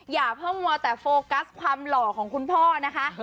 อย่าเพิ่งมัวแต่โฟกัสความหล่อของคุณพ่อนะคะ